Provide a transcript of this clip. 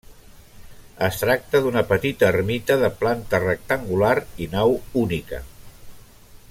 Es tracta d'una petita ermita de planta rectangular i nau única.